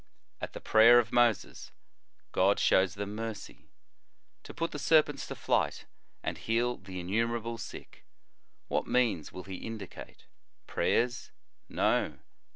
At the prayer of Moses, God shows them mercy. To put the serpents to flight and heal the innumer able sick, what means will He indicate? Prayers? No.